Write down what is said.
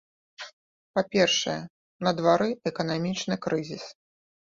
Па-першае, на двары эканамічны крызіс.